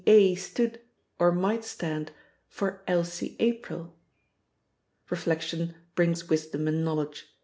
A. stood, or might stand, for Elsie April! Reflection brings wisdom and knowledge.